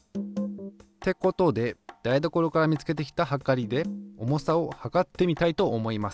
ってことで台所から見つけてきたはかりで重さを量ってみたいと思います。